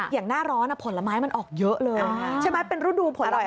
อย่างหน้าร้อนผลไม้มันออกเยอะเลยใช่ไหมเป็นฤดูผล